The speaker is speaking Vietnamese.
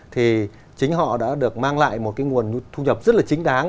thì chính họ đã được mang lại một cái nguồn thu nhập rất là chính đáng